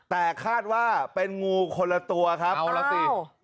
แต่คาดว่าเป็นงูคนละตัวครับเอาล่ะสิ